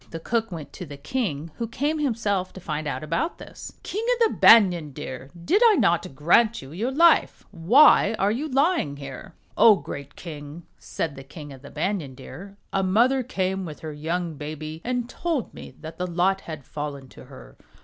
The cook went to the king, who came himself to find out about this. "King of the Banyan Deer! did I not grant you your life ? Why are you lying here ?" "O great King!" said the King of the Banyan Deer, "a mother came with her young baby and told me that the lot had fallen to her.